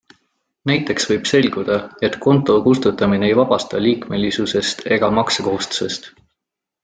Näiteks võib selguda, et konto kustutamine ei vabasta liikmelisusest ega maksekohustusest.